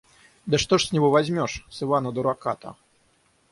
Да что ж с него возьмёшь, с Ивана Дурака-то?